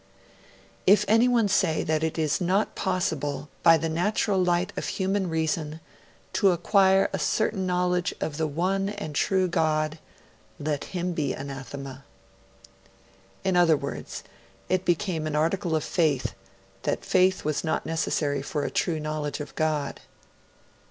'If anyone says that it is not possible, by the natural light of human reason, to acquire a certain knowledge of the One and True God, let him be anathema.' In other words, it became an article of Faith that Faith was not necessary for a true knowledge of God.